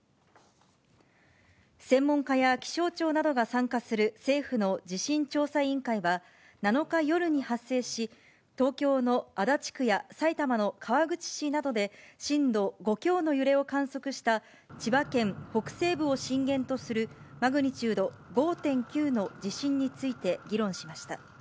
専門家や気象庁などが参加する政府の地震調査委員会は、７日夜に発生し、東京の足立区や埼玉の川口市などで、震度５強の揺れを観測した、千葉県北西部を震源とするマグニチュード５．９の地震について議論しました。